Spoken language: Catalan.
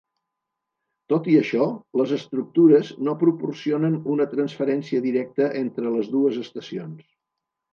Tot i això, les estructures no proporcionen una transferència directa entre les dues estacions.